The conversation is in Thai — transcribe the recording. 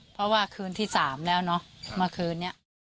เพราะว่าคืนที่๓แล้วเนอะเมื่อคืนนี้